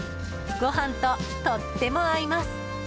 ご飯ととっても合います。